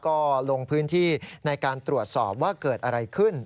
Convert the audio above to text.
ก็ลงพื้นที่ในการตรวจสอบว่าเกิดอะไรขึ้น